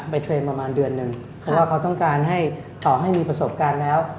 เทรนด์ประมาณเดือนหนึ่งเพราะว่าเขาต้องการให้ต่อให้มีประสบการณ์แล้ว